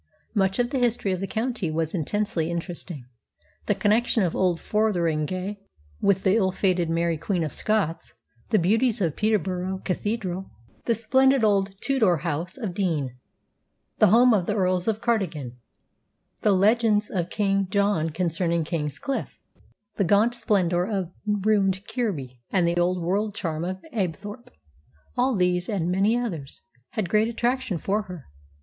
Much of the history of the county was intensely interesting: the connection of old Fotheringhay with the ill fated Mary Queen of Scots, the beauties of Peterborough Cathedral, the splendid old Tudor house of Deene (the home of the Earls of Cardigan), the legends of King John concerning King's Cliffe, the gaunt splendour of ruined Kirby, and the old world charm of Apethorpe. All these, and many others, had great attraction for her.